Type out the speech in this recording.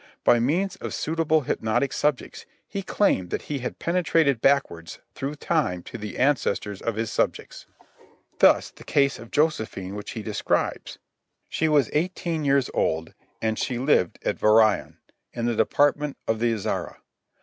By means of suitable hypnotic subjects he claimed that he had penetrated backwards through time to the ancestors of his subjects. Thus, the case of Josephine which he describes. She was eighteen years old and she lived at Voiron, in the department of the Isère.